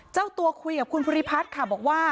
เจ้าตัวคุยกับคุณภูริพัฒน์ค่ะบอกว่า